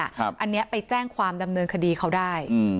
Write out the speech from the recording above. อันนี้ไปแจ้งความดำเนินคดีเขาได้